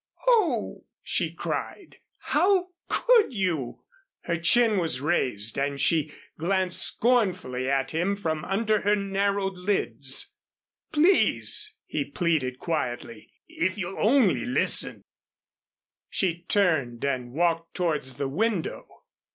"Oh!" she cried, "how could you!" Her chin was raised, and she glanced scornfully at him from under her narrowed lids. "Please," he pleaded, quietly. "If you'll only listen " She turned and walked towards the window.